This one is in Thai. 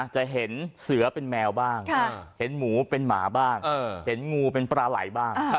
จะเห็นเสือเป็นแมวบ้างเห็นหมูเป็นหมาบ้างเห็นงูเป็นปลาไหลบ้าง